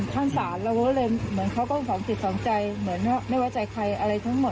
ช่วยคิดไม่ไว้ใจเค้าแล้ว